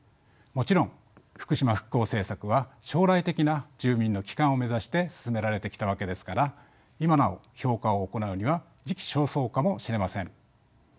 もちろん福島復興政策は将来的な住民の帰還を目指して進められてきたわけですから今なお評価を行うには時期尚早かもしれません。